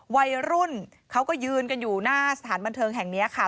วัยรุ่นเขาก็ยืนกันอยู่หน้าสถานบันเทิงแห่งนี้ค่ะ